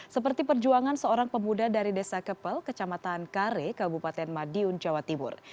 seperti perjuangan seorang pemuda dari desa kepel kecamatan kare kabupaten madiun jawa timur